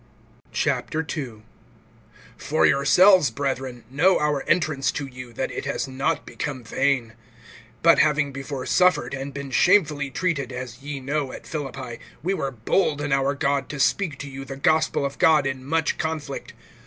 II. FOR yourselves, brethren, know our entrance to you, that it has not become vain. (2)But having before suffered, and been shamefully treated, as ye know, at Philippi, we were bold in our God to speak to you the gospel of God in much conflict.